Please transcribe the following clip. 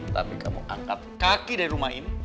tapi kamu angkat kaki dari rumah ini